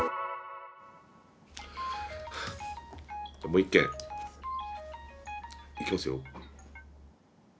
もう一件いきますよ。